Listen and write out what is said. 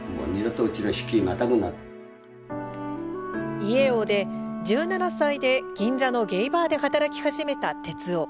家を出、１７歳で銀座のゲイバーで働き始めた徹男。